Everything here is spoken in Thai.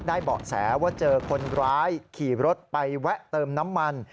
เบาะแสว่าเจอคนร้ายขี่รถไปแวะเติมน้ำมัน